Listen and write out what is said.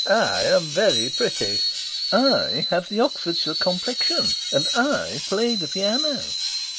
"I am very pretty. I have the Oxfordshire complexion. And I play the piano."